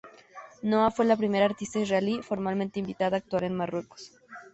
Noa fue la primera artista israelí formalmente invitada a actuar en Marruecos.